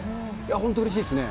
本当うれしいですね。